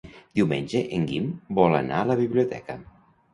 Diumenge en Guim vol anar a la biblioteca.